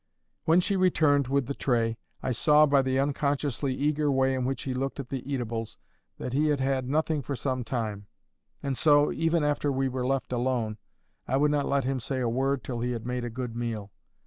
When she returned with the tray, I saw by the unconsciously eager way in which he looked at the eatables, that he had had nothing for some time; and so, even after we were left alone, I would not let him say a word till he had made a good meal.